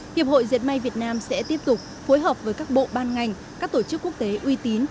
hiệp hội diệt may việt nam sẽ tiếp tục phối hợp với các bộ ban ngành các tổ chức quốc tế uy tín